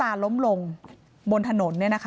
นายพิรายุนั่งอยู่ติดกันแบบนี้นะคะบ้านอยู่ติดกันแบบนี้นะคะ